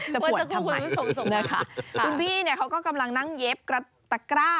จะปวดทำไมคุณพี่เนี่ยเขาก็กำลังนั่งเย็บกระตะกร้า